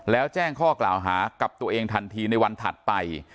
แล้วแจ้งข้อกล่าวหากับตัวเองทันทีในวันถัดไป